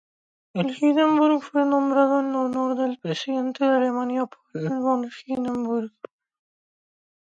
El "Hindenburg" fue nombrado en honor del Presidente de Alemania Paul von Hindenburg.